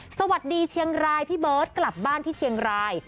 สวัสดีเชียงรายพี่เบิร์ตกลับบ้านที่เชียงราย